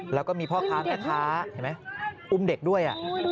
แล้วก็มีพ่อค้าแม่ค้าเห็นไหมอุ้มเด็กด้วย